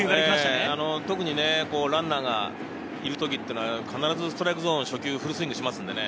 特にランナーがいる時っていうのは必ずストライクゾーン、初球フルスイングしますよね。